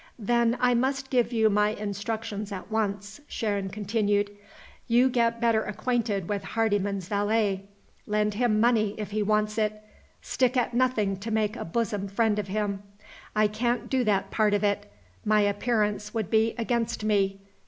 "Then I must give you my instructions at once," Sharon continued. "You get better acquainted with Hardyman's valet. Lend him money if he wants it stick at nothing to make a bosom friend of him. I can't do that part of it; my appearance would be against me.